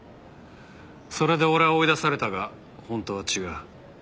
それで俺は追い出されたが本当は違う。